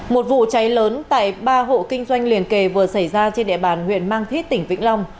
một vụ cháy lớn tại ba hộ kinh doanh liền kề vừa xảy ra trên địa bàn huyện mang thít tỉnh vĩnh long